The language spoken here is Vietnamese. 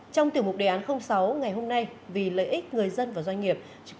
trong tiểu mục đề án sáu ngày hôm nay vì lợi ích người dân và doanh nghiệp